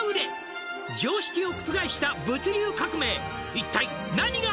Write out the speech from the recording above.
「一体何が」